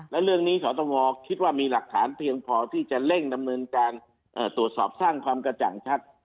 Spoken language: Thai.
และเรื่องนี้สตงคิดว่ามีหลักฐานเพียงพอที่จะเร่งดำเนินการตรวจสอบสร้างความกระจ่างชัด